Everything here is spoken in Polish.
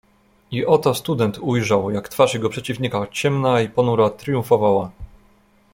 "I oto student ujrzał, jak twarz jego przeciwnika ciemna i ponura tryumfowała."